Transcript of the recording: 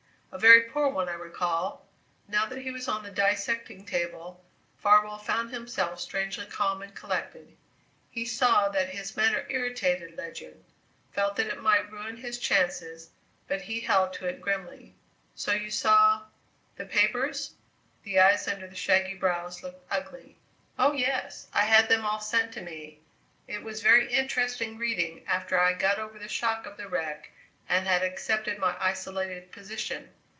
"A very poor one, I recall." Now that he was on the dissecting table, Farwell found himself strangely calm and collected. He saw that his manner irritated Ledyard; felt that it might ruin his chances, but he held to it grimly. "So you saw the papers?" The eyes under the shaggy brows looked ugly. "Oh, yes. I had them all sent to me. It was very interesting reading after I got over the shock of the wreck and had accepted my isolated position."